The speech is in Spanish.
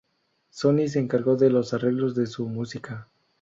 Sonny se encargó de los arreglos de su música.